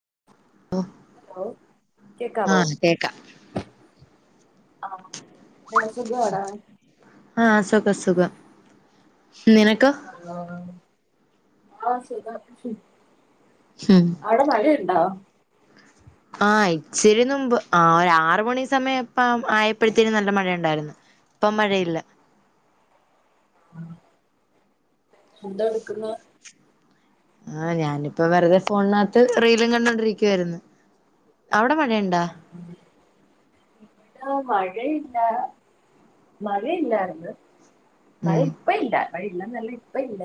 [unintelligible] Hello കേക്കാവോ ആഹ് കേക്കാം ആ പിന്നെ സുഖാടാ ആ സുഖം സുഖം നിനക്കോ ഉം [inaudible] അവടെ മഴയുണ്ടോ ആ ഇച്ചിരി നുമ്പ് ആ ഒരാറുമണി സമയംപ്പം ആയപ്പഴുത്തെന് നല്ല മഴ ഉണ്ടാര്ന്ന് ഇപ്പം മഴയില്ല എന്താ എടുക്കുന്നെ ആ ഞാനിപ്പോ വെറുതെ ഫോണിനാത്ത് റീലും കണ്ടോണ്ടിരിക്കുവായിരുന്നു അവിടെ മഴയുണ്ടോ മഴയില്ല മഴയില്ലായിരുന്നു മഴ ഉം ഇപ്പയില്ല മഴയില്ലന്നല്ല ഇപ്പ ഇല്ല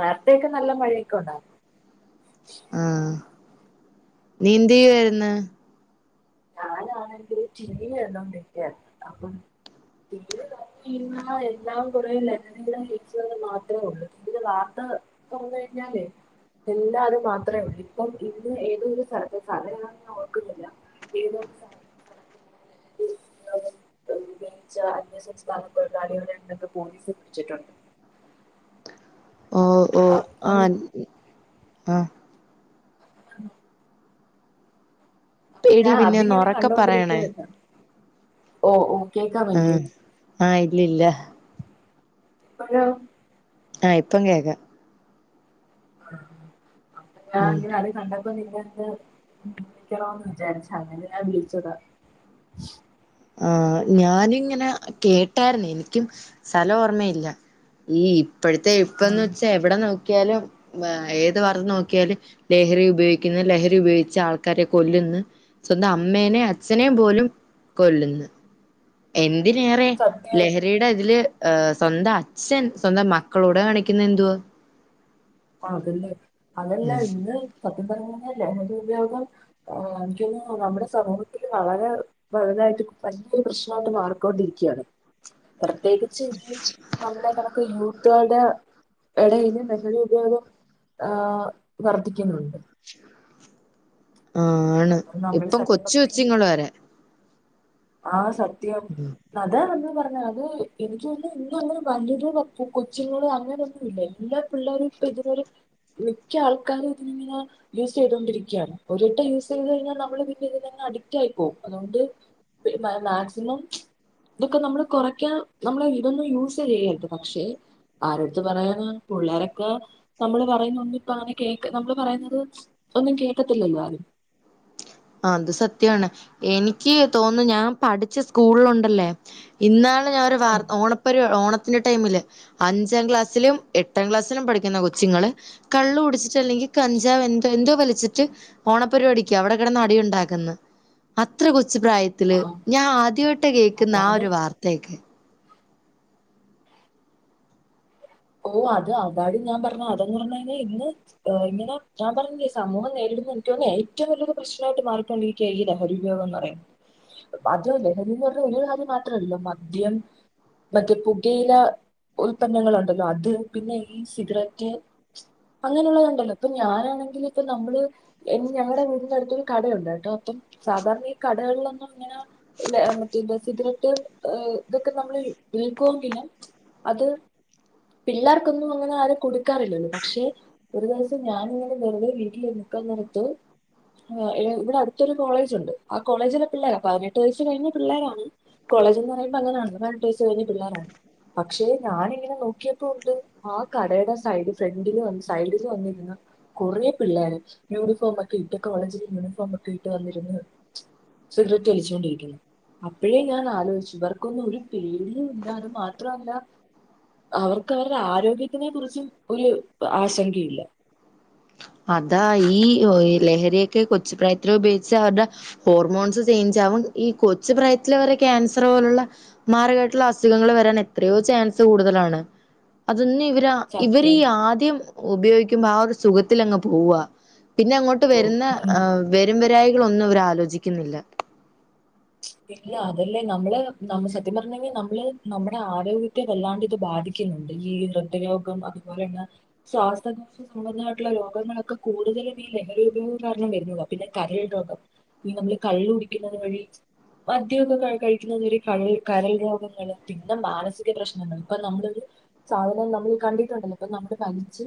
രാത്രിയൊക്കെ നല്ല മഴയൊക്കെ ഉണ്ടായിരുന്നു ആ നീ എന്ത്‌ ചെയ്യുവായിരുന്നു ഞാനാണെങ്കില് ടീവി കണ്ടോണ്ടിരിക്കായിരുന്നു അപ്പം ടിവി കണ്ടോണ്ട് - [unintelligible] എല്ലാം കുറേ ലഹരികളിള് കഴിച്ചെന്ന് മാത്രേയുള്ളൂ പിന്നെ വാർത്ത [inaudible] എല്ലാവരും മാത്രേ ഉള്ളു ഇപ്പം ഇന്ന് ഏതോരു സ്ഥലത്ത്ക്കാണ് ഞാൻ ഓർക്കുന്നില്ല [inaudible] ഉപോഗിച്ച അന്യസംസ്ഥാനത്തൊഴിലാളികളുടെ അടുത്ത് ന്ന് പോലീസ് പിടിച്ചിട്ടുണ്ട് ഓ ഓ ആ അപ്പം ആ ആണോ അപ്പൊ എടി ഞാൻ പിന്നെ അതിങ്ങനെ ഒന്നുറക്കെ പറയണേ കണ്ടൊണ്ടിരിക്കായിരുന്നു ഓ ഓ കേക്കാ വയ്യേ ലില്ല ആലോ ആ ഇപ്പം കേക്ക ആ അപ്പം ഞാൻ ഉം ഇങ്ങനെ അത് കണ്ട അപ്പൊ നിങ്ങ എന്ത് വിളിക്കണൊന്ന് വിചാരിച്ച അങ്ങനെ ഞാൻ വിളിച്ചതാ ആ ഞാനിങ്ങനെ കേട്ടായിരുന്നു എനിക്കും സ്ഥലം ഓർമ്മയില്ല ഈ ഇപ്പോഴത്തെ ആ ഇപ്പന്ന് വെച്ചാൽ എവിടെ നോ ക്കിയാലും ഏത് ഭാഗത്തു നോക്കിയാലും ലഹരി ഉപയോഗിക്കുന്ന ലഹരി ഉപയോഗിച്ച ആൾക്കാരെ കൊല്ലുന്ന് സ്വന്തം അമ്മേനേം അച്ചനേം പോലും കൊല്ലുന്നു എന്തിനേറെ സത്യം ലഹരിയുടെതില് ഏ സ്വന്തം അച്ഛൻ സ്വന്തം മക്കളോടെ കാണിക്കുന്ന എന്തുവാ ആഹ് അതല്ലേ അതല്ല ഇന്ന് സത്യം പറഞ്ഞ ലഹരി ഉപയോഗം ആഹ് എനിക്ക് തോന്നുന്നു നമ്മുടെ സമൂഹത്തിൽ വളരെ വലുതായിട്ട് വല്യ പ്രശ്നായിട്ട് മാറിക്കൊണ്ടിരിക്കയാണ്. പ്രത്യേകിച്ച് നമ്മളെ കണക്കു യൂത്തുകളുടെ ഇടയിൽ നല്ലൊരു ഉപയോഗം ആ വർധിക്കുന്നുണ്ട് ആണ് നമ്മൾ ഇപ്പം സത്യം കൊച്ചു കൊച്ചുങ്ങള് വരെ ആ സത്യം ഉം അതാ നമ്മള് പറ അത് എനിക്ക് തോന്നുന്നു ഇന്നങ്ങനെ വലിയൊരു കൊച്ചുങ്ങൾ അങ്ങനെയൊന്നും ഇല്ല എല്ലാ പിള്ളേർ ഇതുവെറും മിക്ക ആൾക്കാരും ഇതിങ്ങനെ യൂസ് ചെയ്തൊണ്ടിരിക്കുകയാണ് ഒരിട്ടം യൂസ് ചെയ്ത് കഴിഞ്ഞാൽ പിന്നെ നമ്മള് പിന്നെ ഇതിനെ അഡിക്റ്റ് ആയി പോകും അതുകൊണ്ട് മാക്സിമം ഇതൊക്കെ നമ്മള് കൊറക്കാ നമ്മള് ഇതൊന്നും യൂസ് ചെയ്യരുത് പക്ഷെ ആരെടുത്ത് പറയാന പിള്ളേരൊക്കെ നമ്മള് പറയുന്ന ഒന്നും ഇപ്പ അങ്ങനെ കേക്ക നമ്മള് പറയുന്നത് ഒന്നും കേട്ടത്തില്ലല്ലോ ആരും അത് സത്യാണ് എനിക്ക് തോന്നുന്നു ഞാൻ പഠിച്ച സ്കൂളിലുണ്ടല്ലേ ഇന്നാ ഞാനൊരു വാർത്ത ഓണ പരിപാടി ഓണ ത് ന്റെ ടൈമില് അഞ്ചാം ക്ലാസിലും എട്ടാം ക്ലാസിലും പഠിക്കുന്ന കൊചുങ്ങൾ കള്ളു കുടിച്ചിട്ടല്ലെങ്കില് ഈ കഞ്ചാവ് എന്ത് എന്തോ വലിച്ചിട്ട് ഓണപരിപാടിക്ക് അവിടെ കിടന്ന് അടി ഉണ്ടാക്ക് ന്ന് അത്ര കൊച് കൊച്ചുപ്രായത്തില് ആഹ് ഞാൻ ആദ്യായിട്ട കേൾക്കുന്നെ ആ അതാണ് ഒരു വാർത്തയൊക്കെ ഓഹ് അത് അതാടി ഞാൻ പറഞ്ഞ അതെന്നു പറഞ്ഞാലേ ഇന്ന് ഇങ്ങനെ ഞാൻ പറഞ്ഞില്ലേ സമൂഹം നേരിട എനിക്കൊന്നെ ഏറ്റവും വലിയൊരുപ്രശ്നായിട്ട് മാറിക്കൊണ്ടിരിക്കയ ഈ ലഹരി ഉപയോഗെന്നറിയുന്നേ അത് ലഹരി എന്ന് പറഞ്ഞ ഒരു കാര്യം മാത്രമല്ലലൊ മദ്യം മറ്റ് പുകയില ഉൽപന്നങ്ങളു ല്ലോ അത് പിന്നെ ഈ സിഗരറ്റ് അങ്ങനെയള്ളതുണ്ടല്ലോ ഇപ്പൊ ഞാനാണെങ്കിൽ ഇപ്പൊ നമ്മള് ഞങ്ങളടെ വീടിന്റെയടുത്തൊരു കടയുണ്ട് കേട്ടോ അപ്പം സാധാരണ ഈ കടകളിലൊന്നും ഇങ്ങനെ മറ്റേ ഇ [inaudible] ഏ ഇതൊക്കെ നമ്മൾ വിൽക്കുമെങ്കിലും അത് പിള്ളേർക്കൊന്നും അങ്ങനെ ആരും കൊടുക്കാറില്ലല്ലോ പക്ഷെ ഒരു ദിവസം ഞാാനിങ്ങനെ വെറുതെ വീട്ടിൽ നിക്കാ നിർത്തു ആ ഇവിടെ അടുത്തൊരു കോളേജ് ഉണ്ട് ആ കോളേജിലെ പിള്ളേർ പതിനെട്ട് വയസ് കഴിഞ്ഞ പിള്ളേരാണ് കോളേജ്ന്ന് പറയുമ്പോ അങ്ങനെയാണ്ട് പതിനെട്ടു വയസ് കഴിഞ്ഞ പിള്ളേരാണ് പക്ഷെ ഞാനിങ്ങനെ നോക്കിയ ഉണ്ട് ആ കടയുടെ സൈഡ് ഫ്രണ്ടില് സൈഡില് വന്നിരുന്നു കൊറെ പിള്ളേര് യൂണിഫോമൊക്കെ ഇട്ട് കോളേജിൽ യൂണിഫോമൊക്കെ ഇട്ട് വന്നിരുന്നു സിഗരറ്റ് വലിച്ചുകൊണ്ടിരിക്കുന്നു അപ്പോഴേ ഞാൻ ആലോചിച്ചു ഇവർ ന്നും ഒരു പേടിയു ഇല്ലാ അത് മാത്രല്ല അവർ വർക്കു അവരുടെ ആരോഗ്യത്തിനെ കുറിച്ചും ഒരു ആശങ്കയില്ല അതാ ഈ ലഹരിയൊക്കെ കൊച്ചു പ്രായത്തില് ഉപയോഗിച്ച അവരുടെ ഹോർമോൺസ് ചേഞ്ച് ആവും ഈ കൊച്ചു പ്രായത്തിൽ വരെ ക്യാൻസർ പോലുള്ള മാരക മായിട്ടുള്ള അസുഖങ്ങൾ വരാൻ എത്രയോ ചാൻസ് കൂടു കൂടുതലാണ് [inaudible] തൊന്ന് ഇവർ ഇവര് സത്യം. ആദ്യം ഉപയോഗിക്കുമ്പോ ആ ഒരു സുഖത്തിലങ്ങു പോവുവാ പിന്നെ അങ്ങോട്ട് ഓ വരുന്ന ഉം. വരും വരായികളൊന്നും അവർ ആലോചിക്കുന്നില്ല. ഇല്ല അതല്ലേ നമ്മള് നമ്മ സത്യം പറഞ്ഞെങ്കി നമ്മള് നമ്മ്ടെ ആരോഗ്യത്തെ വല്ലാണ്ട്ത് ബാധിക്കുന്നുണ്ട് ഈ ഹൃദരോഗം അതുപോലെള്ള ശ്വാസകോശ സംബന്ധായിട്ടുള്ള രോഗങ്ങളൊക്കെ കൂടുതലും [unintelligible] ലഹരിപയോഗം കാരണം വരുന്നതാ പിന്നെ കരൾ രോഗം ഈ നമ്മള് കള്ള് കുടിക്കുന്നത് വഴി മദ്യക്കെ കഴി കഴിക്കുന്നവര് കള് കരൾ രോഗങ്ങള് പിന്നെ മാനസിക പ്രശ്നങ്ങൾ ഇപ്പ നമ്മള് സാധനം നമ്മള് കണ്ടിട്ടുണ്ടല്ലോ പൊ നമ്മള് വലിച്ച്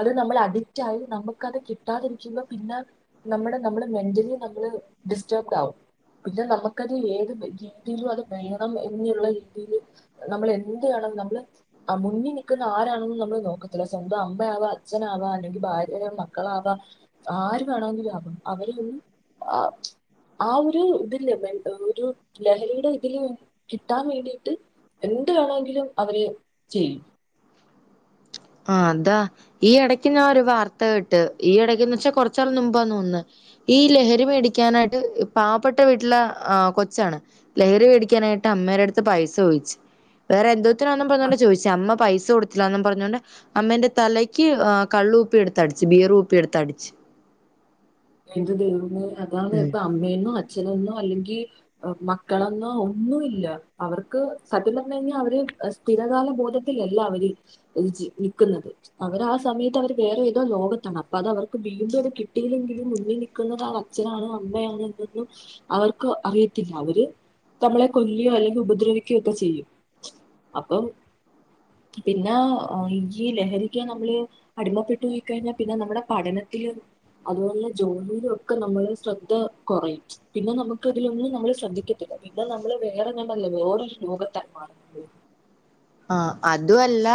അത് നമ്മള് അഡിറ്റായി നമുക്കത് കിട്ടാതിരിക്ക്പോ പിന്നെ നമ്മള് നമ്മള് മെന്റലി നമ്മള് ഡിസ്റ്റർബ്ഡാകും പിന്നെ നമ്മക്കത് ഏത് രീതിയിലും അത് വേണം എന്നുള്ള രീതിയില് നമ്മൾ എന്ത് വേണം നമ്മള് അമുന്നിനിക്കുന്ന ആരാണെന്ന് നമ്മള് നോക്കത്തില്ല സ്വന്തം അമ്മയാവോ അച്ഛനാവോ അല്ലെങ്കിൽ ഭാര്യനെ മക്കളാവാം ആര് വേണങ്കിലാവാം അവരൊന്നും ആ ആ ഒര് ഇതില്ലേ ബൻ ഒരു ലഹരിയുടെ ഇതില് കിട്ടാവേണ്ടീട്ട് എന്ത് വേണങ്കിലും അവര് ചെയ്യും ആ അതാ ഈ എടക്ക് ഞാഒരു വാർത്ത കേട്ട് ഈ എടക്ക്ന്നെവ്ച്ചാ കൊറ്ച്ചൻനുമ്പാ തോന്ന്ന്ന് ഈ ലഹരി മേടിക്കാനായിട്ട് പാപ്പെട്ട വീട്ടിലെ ആ കൊച്ചാണ് ലഹരി മേടിക്കാനായി ട്ടമ്മയെൻ്റെട്ത്ത് പൈസോയ്ച്ച് വേറെ എന്തോത്തിനാണന്നും പറഞ്ഞോണ്ട് ചോദിച്ച് അമ്മ പൈസ കൊടുത്തിലാന്നും പറഞ്ഞോണ്ട് അമ്മേന്റെ തലയ്ക്ക് കള്ള് കുപ്പിടുത്തടിച്ചു ബീ എന്ത് ദുൽമ് അതാണ് പ്പ അമ്മേനോ അച്ഛനന്നോ അല്ലെങ്കി മക്കളെന്നോ ഒന്നുംല്ല അവർക്ക് സത്യംപറഞഴിഞ്ഞാൽ അവര് സ്ഥിരകാല ബോധത്തി ലല്ല അവര് ഇജി നിക്കുന്നത് അവരാ ആസമയത്ത് അവര് വേറെ ഏതോ ലോകത്താണ് അപ്പൊതവർക്ക് വി ണ്ടത് കിട്ടയില്ലങ്കി ത് മുന്നിൽ നിക്കുന്നത് ആ അച്ഛനാണോ അമ്മയാണോ എന്നൊന്നും അവർക്ക് അറിയത്തില്ല അവര് തമ്മളെ കൊല്ലിയോ അല്ലെങ്കി ഉപദ്രവിക്കോക്കെ ചെയ്യും അപ്പം പിന്നെ ഈയ്യ് ലഹരിക്ക് നമ്മള് അടിമപ്പെട്ടു പോയിക്കഴിഞ്ഞാ പിന്നെ നമ്മുടെ പഠനത് തിലും അതുകൊണ്ട് ജോലിയിലൊക്കെ നമ്മള് ശ്രദ്ധ കൊറയും പിന്നെ നമ്മക്ക്തിലൊന്നും നമ്മൾ ശ്രദ്ധിക്കത്തില്ല പിന്നെ നമ്മള് വേറെ ഞാപറഞ്ഞിലേ വേറെരുലോകത്തായി മാറുംമ്മള് ആ അതുഅല്ല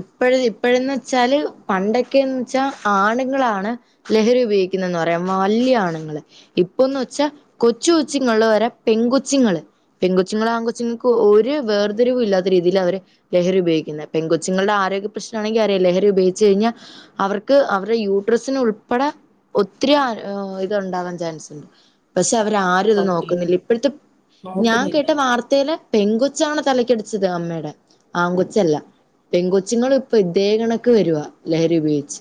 ഇപ്പോഴ് ഇപ്പോഴെന്നെച്ചാല് പണ്ടൊക്കെന്ച്ചാ ആണുങ്ങളാണ് ലഹരി ഉപയോഗിക് ന്നന്ന്പറയാ വല്യയാണുങ്ങള് ഇപ്പന്ന്ച്ചാ കൊച്ചുച്ചുങ്ങള് രെ പെൺകൊച്ചുങ്ങള് പെൺകൊച്ചുങ്ങള് ആൺകൊച്ചുങ്ങക്ക് ഒരു വേറ്തിരുവില്ലാത്ത രീതി ഇതിൽ അവര് ലഹരി ഉപയോഗിക്കുന്നെ പെൺകൊച്ചുങ്ങളുടെ ആരോഗ്യ പ്രശ്നാണെങ്കിൽ അറിയ ലഹരി ഉപയോഗിച്ചഴിഞ്ഞാ അവർക്ക് അവരെ യൂട്രസിന് ഉൾപ്പെടെ ഒത്തിരി ആരോ ഇത്ണ്ടാവാൻ ചാൻസ്ണ്ട് ബ്രസ് അവരാരുത് സത്യം നോക്കുന്നില്ല ഇപ്പോഴ്ത്തെ ഞാൻ നോക്കുന്നില്ല കേട്ട വാർത് പെങ്കൊച്ചാണ് തലക്കടിച്ചത് അമ്മേ ടെ ആങ്കൊച്ചല്ല പെങ്കൊച്ചുങ്ങളും ഇപ്പ ഇതേ കണക്ക് വരുവാ ലഹരി ഉപയോഗിച്ച്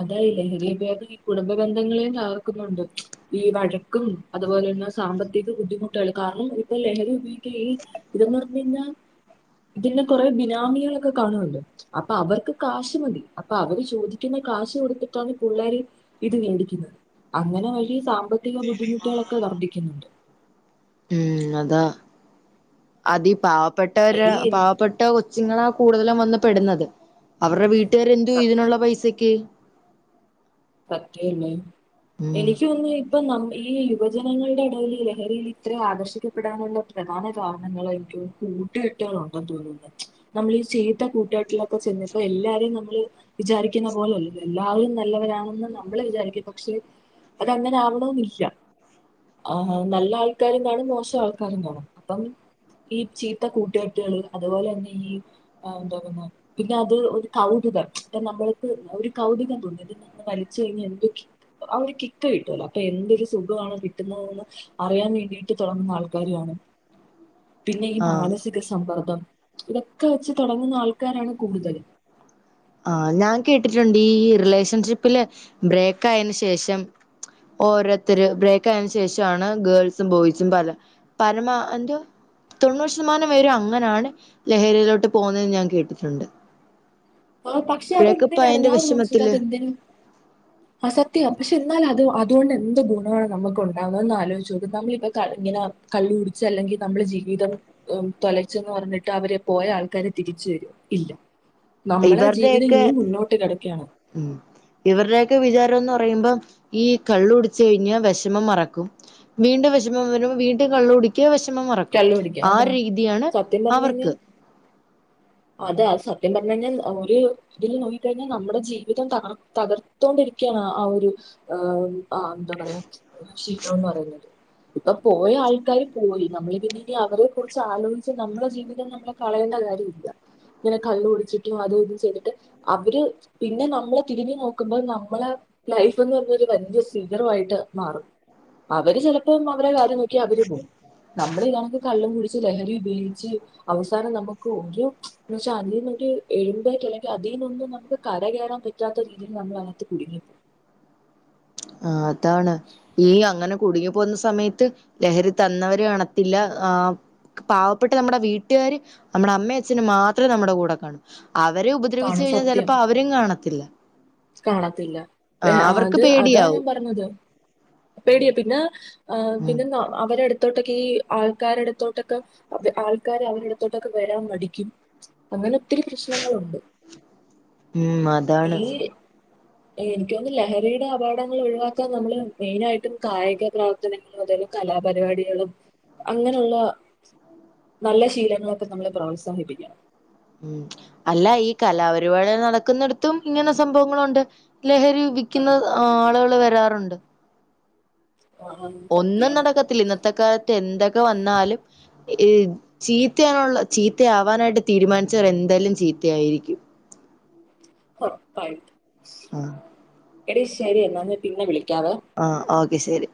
അതായി ലഹരിഭയോഗം ഈ കുടുംബബന്ധങ്ങളെയും തകർക്കുന്നുണ്ട് ഈ വഴക്കും അതുപോലെ ന്നെ സാമ്പത്തിക ബുദ്ധിമുട്ടേള് കാരണം ഇപ്പോലഹരി ഉപയോഗിക്കുക ഈ ഇതുംനടന്നഴിഞ്ഞാ ഇതിൻ്റെ കൊറേ ബിനാമികളൊക്കെ കാണുണ്ട് അപ്പൊ അവർക്ക് കാശ്മതി അപ്പൊ അവര് ചോദി ക്കുന്ന കാശ് കൊടുത്തിട്ടാണ് പുള്ളാര് ഇത് വേടിക്കുന്നെ അങ്ങനെ വലിയ സാ മ്പത്തിക ബുദ്ധിമുട്ടുകളൊക്കെ വർദ്ധിക്കുന്നുണ്ട് ഉം അതാ അതീ പാവപ്പെട്ടവരെ ഈ പാവപ്പെട്ട കൊച്ചുങ്ങളെ കൂടുതലുംവന്ന്പെടുന്നത് അവര്ടെ വീട്ടുകർ സത്യം എന്തുതിനുള്ള പൈസക്ക് സത്യാല്ലേ ഉം എനിക്ക്തോനുന്നു ഇപ്പൊ നമ് ഈ യുവജനങ്ങളുടെ ഇടയിൽ ഈലഹരിയിലിത്ര ആകർഷിക്കപ്പെടാനുള്ള പ്രധാന കാരണങ്ങളായിരിക്കും കൂട്ട്കെട്ട് ട്ടാണ് തോന്നുന്ന് നമ്മളീചീത്ത കൂട്ടുകെട്ടുള്ള കുട്ടി പോ ചെന്നപ്പോ എല്ലാരെയും നമ്മള് വിചാരിക്കുന്ന പോലെല്ലാവരും നല്ലവരാണ് ന്ന് നമ്മളെ വിചാരിക്കും പക്ഷെ അത് അങ്ങനെ ആവണംന്നില്ല ആ നല്ല ആൾക്കാരുംകാണും മോശം ആൾക്കാരും കാണൂം അപ്പം ഈ ചീത്ത കൂട്ടുകെട്ട്കള് അതുപോലെന്നെ ഈ ആ എന്താ പിന്നെ ഇകാ [unintelligible] കാരണമ്മൾക്ക് ഒരു കൗതുകംതോന്നും എന്തെന്ന് വലിച്ചൈഞ്ഞാ എന്ത് അതൊര് കിിക് കിട്ടുവല്ലോ അപ്പൊ എന്തൊരു സുഖമാണ് കിട്ടുന്നതന്ന് അറിയാൻ വേണ്ടിട്ട് തുടങ്ങുന്ന ആൾക്കാര് കാണും ആൾക്കാരാണ് പിന്നെ ഈ ആഹ്. മാനസിക സമ്മർദ്ദം ഇതൊക്കെ വെച്ച് തുടങ്ങുന്ന ആൾക്കാരാണ് കൂടുതൽ ആ ഞാൻ കേട്ടിട്ടുണ്ട് ഈ റിലേഷൻഷിപ്പില് ബ്രേക്ക് ആയന് ശേഷം ഓരോരുത്തര് ബ്രേക്ക് ആയന് ശേഷ ആണ് ഗേൾസും ബോയ്സും പല പരമാ എന്തോ തൊണ്ണൂറ് ശതമാനം പേരു അങ്ങനാണ് ലഹരിയിലോട്ട് പോകുന്നെന്ന് ഞാൻ കേട്ടിട്ടുണ്ട് ആ പക്ഷെ ബ്രേക്കപ്പ് ആയതിന്റെ അതെന്തിനായിരുന്നു [inaudible] വിഷമത്തില് അതെന്തിനും അത് സത്യംപക്ഷെ എന്നാ അത് അതുകൊണ്ട് എന്ത് ഗുണമാണ് നമുക്ക് ഉണ്ടാവുന്നതന്ന് ആലോചിച്ച നോക്ക് നമ്മളിപ്പ ഇങ്ങനെ കള്ളുകുടിച്ച അല്ലെങ്കിൽ നമ്മുടെ ജീവിതം തൊലച്ചന്ന് പറഞ്ഞിട്ട് അവരെ പോയ ആൾക്കാര് തിരിച്ച വരോ ഇല്ല നമ്മള ആ ജീവിതം ഇവരുടെയൊക്കെ ഇനിയും മുന്നോട്ട് കിടക്കുകയാണ് ഉം ഇവരുടെയൊക്കെ വിചാരംന്ന് പറയുമ്പോം ഈ കള്ളുടിച്ച കഴിഞ്ഞ വിഷമം മറക്കും വീണ്ടും വിഷമം വരുമ്പം വീണ്ടും കള്ളള് കുടിക്കാം വിഷമം മറക്കും കള്ള് കുടിക്കുക. ആ അതാ രീതിയാണ് സത്യം പറഞ്ഞു അവർക്ക് കഴിഞ്ഞാൽ അതാ സത്യം സത്യംപറഞ്ഞു കഴിഞ്ഞാൽ ഒരു ഇതിൽ നോക്കികഴിഞ്ഞാൽ നമ്മുടെ ജീവിതം തർ തകർത്തോണ്ടിരിക്കുകയാണ് ആ ഒരു ആ ആ എന്താ പറയാ ശീലംന്ന് പറയുന്നത് ഇപ്പൊ പോയ ആൾക്കാര് പോയി നമ്മളിപ്പോ ഇനി അവരെ കുറിച്ച് ആലോചിച്ച് നമ്മുടെ ജീവിതം നമ്മളെ കളയേണ്ട കാര്യം ഇല്ല ഇങ്ങനെ കള്ളു കുടിച്ചിട്ടും അതും ഇതും ചെയ്തിട്ട് അവര് പിന്നെ നമ്മളെ തിരിഞ്ഞു നോക്കുമ്പോൾ നമ്മളെ ലൈഫ് എന്ന് പറഞ്ഞ ഒരു വലിയ ശിഖരമായിട്ട് മാറും അവര് ചിലപ്പോ അവരെ കാര്യം നോക്കി അവര് പോകും നമ്മള ഇതണക്ക് കള്ളും കുടിിച്ചച്ച് ലഹരി ഉപയോഗിച്ച് അവസാനം നമുക്ക് ഒരുോ എന്ന്ച്ച അ ഒരു എഴുമ്പേറ്റ മില്ല അല്ലെങ്കിൽ അതിൽ നിന്നൊന്നും നമുക്ക് കര കയറാൻ പറ്റാത്ത രീതിൽ നമ്മൾ അതിനകത്ത് കുടുങ്ങിപ്പോും [unintelligible] ആ അതാണ് ഈ അങ്ങനെ കുടുങ്ങി പോകുന്ന സമയത്ത് ലഹരി തന്നവര് കാണത്തില്ല ആ പാവപ്പെട്ട നമ്മുടെ വീട്ടുകാര് നമ്മുടെ അമ്മേ അച്ഛന്ും മാത്രേ നമ്മുടെ കൂടെ കാണും അവരെ ഉപദ്രവിച്ചു കാണും കഴിഞ്ഞാൽ സത്യം ചിലപ്പോ അവരും കാണത്തില്ല കാണത്തില്ല ആ ഏ അവർക്ക് അത് അതാ ഞാൻ പേടിയാവും. പറഞ്ഞത് പേടിയാ പിന്നെ ആ് ഉം പിന്നെ അവരെടുത്ത് ത്തോട്ടൊക്കെ ഈ ആൾക്കാരുടുത്തോട്ടൊക്കെ ആൾക്കാര് അവരുടെ അടുത്തോട്ടൊക്കെ വരാൻ മഠിക്കും അങ്ങനെ ഒത്തിരി പ്രശ്നങ്ങളുണ്ട് ഉം അതാണ് ഈ [unintelligible] എനിക്ക് തോന്നുന്നു ലഹരിയുടെ അപകടങ്ങൾ ഒഴിവാക്കാൻ നമ്മള് മെയിൻ ആായിട്ടും കായിക പ്രവർത്തനങ്ങൾ പ്രവർത്തനങ്ങളും അതായല കല പരിപാടികളും അങ്ങനെയുള്ള നല്ല ശീലങ്ങളൊക്കെ നമ്മളെ പ്രോത്സാഹിപ്പിക്കണം ഉം അല്ല ഈ കലാപരിപാടി നടക്കുന്നിടത്തും ഇങ്ങനെ സംഭവങ്ങളുണ്ട് ലഹരി വിക്കുന്ന ആളുകള് വരാറുണ്ട് സത്യമാണ് ഒന്നുനടക്കത്തില്ല ഇന്നത്തെ കാലത്ത് എന്തൊക്കെ വന്നാലും ചീത്തയാനുള്ള ചീത്തയാവാനായിട്ട് തീരുമാനിച്ചവരെ എന്തായാലും ചീത്തയായിരിക്കും ഉറപ്പായിട്ടും ആഹ് എട ശരി എന്നാന്ന് പിന്നെ വിളിക്കാം ആഹ ഓക്കെ ശരി